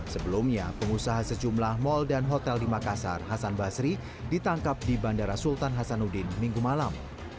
sebelumnya pengusaha sejumlah mal dan hotel di makassar hasan basri ditangkap di bandara sultan hasanuddin minggu malam